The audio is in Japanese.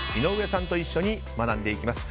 さんと一緒に学んでいきます。